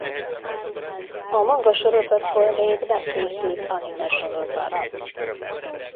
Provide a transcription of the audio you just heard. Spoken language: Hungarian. A mangasorozatból még nem készült animesorozat.